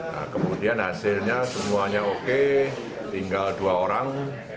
nah kemudian hasilnya semuanya oke tinggal dua orang